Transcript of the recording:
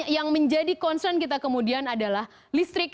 yang menjadi concern kita kemudian adalah listrik